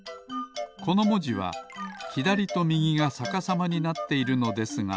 このもじはひだりとみぎがさかさまになっているのですが